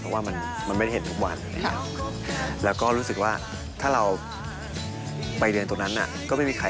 แล้วก็นับตั้งแต่วันนี้ไปก็อยากจะใช้ชีวิตกับเธอไปจนตายเหมือนกัน